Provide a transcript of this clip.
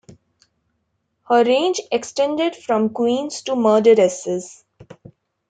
Her range extended from queens to murderesses.